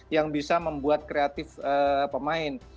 yang bisa membuat kreatif pemain